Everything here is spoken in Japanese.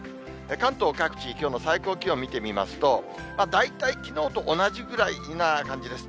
関東各地、きょうの最高気温見てみますと、大体きのうと同じぐらいな感じです。